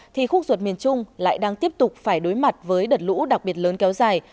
thì khúc ruột miền trung lại đang tiếp tục phải đối mặt với đợt lũ đặc biệt lớn kéo dài